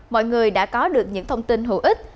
mọi người đã có được những thông tin hữu ích